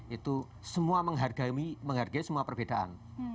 itu semua menghargai semua perbedaan